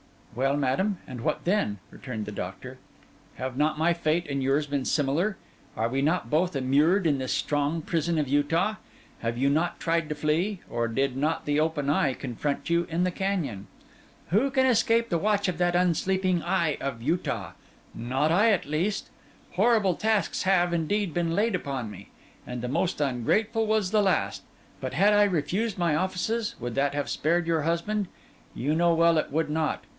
'Well, madam, and what then?' returned the doctor. 'Have not my fate and yours been similar? Are we not both immured in this strong prison of Utah? Have you not tried to flee, and did not the Open Eye confront you in the canyon? Who can escape the watch of that unsleeping eye of Utah? Not I, at least. Horrible tasks have, indeed, been laid upon me; and the most ungrateful was the last; but had I refused my offices, would that have spared your husband? You know well it would not.